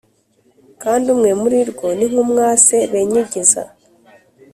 kandi umwe muri rwo ni nk’umwase benyegeza